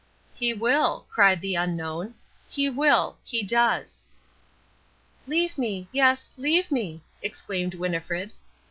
"He will!" cried the Unknown. "He will. He does." "Leave me, yes, leave me," exclaimed Winnifred.